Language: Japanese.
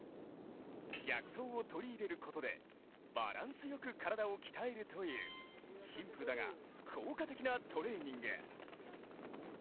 逆走を取り入れることで、バランスよく体を鍛えるというシンプルだが効果的なトレーニング。